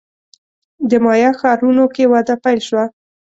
د مایا ښارونو کې وده پیل شوه.